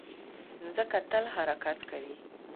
مځکه تل حرکت کوي.